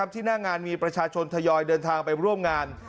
ที่หน้างานมีประชาชนทยอยเดินทางไปร่วมงาน